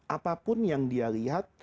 apapun yang dia lihat